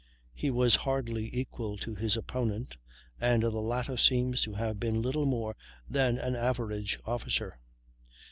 He was hardly equal to his opponent, and the latter seems to have been little more than an average officer.